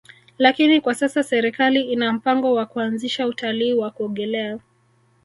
Lakini kwa sasa serikali ina mpango wa kuanzisha utalii wa kuogelea